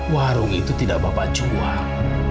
warung itu tidak bapak jual